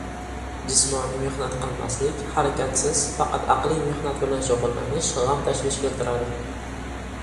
Jismoniy mehnat qilmaslik, harakatsiz, faqat aqliy mehnat bilan shugullanish — g‘am-tashvish keltiradi.